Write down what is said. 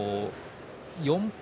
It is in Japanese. ４敗